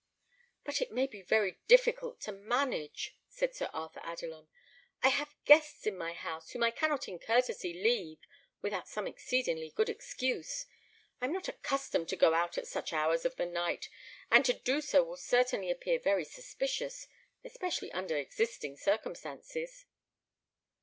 "But it may be very difficult to manage," said Sir Arthur Adelon; "I have guests in my house, whom I cannot in courtesy leave without some exceedingly good excuse. I am not accustomed to go out at such hours of the night, and to do so will certainly appear very suspicious, especially under existing circumstances."